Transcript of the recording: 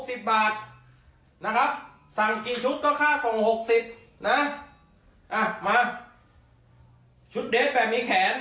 สิบบาทนะครับสั่งกี่ชุดก็ค่าส่งหกสิบนะอ่ะมาชุดเดฟแบบมีแขน